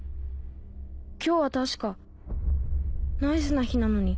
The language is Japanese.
今日は確か「ナイスな日」なのに